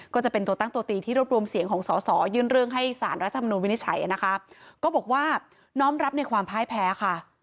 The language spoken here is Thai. ก็จะเป็นตัวตั้งตัวตีที่รวบรวมเสียงของสอสอยื่นเรื่องให้สารรัฐมนุนวินิจฉัยนะคะก็บอกว่าน้อมรับในความพ่ายแพ้ค่ะ